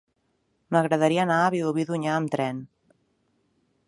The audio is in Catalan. M'agradaria anar a Vilobí d'Onyar amb tren.